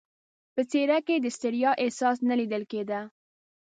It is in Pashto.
په څېره کې یې د ستړیا احساس نه لیدل کېده.